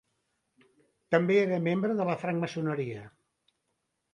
També era membre de la francmaçoneria.